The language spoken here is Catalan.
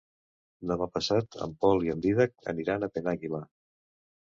Demà passat en Pol i en Dídac aniran a Penàguila.